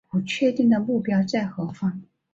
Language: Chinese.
不确定的目标在何方